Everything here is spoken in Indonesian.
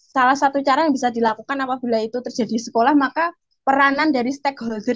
salah satu cara yang bisa dilakukan apabila itu terjadi di sekolah maka peranan dari stakeholder